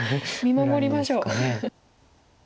見守りましょう。